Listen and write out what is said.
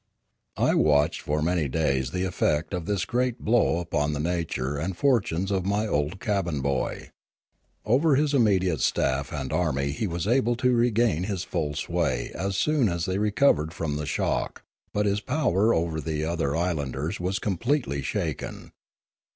I watched for many days the effect of this great blow upon the nature and fortunes of my old cabin boy. Over his immediate staff and army he was able to regain his full sway as soon as they recovered from the shock; but his power over the other islanders was completely shaken.